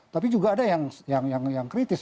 tapi juga ada yang kritis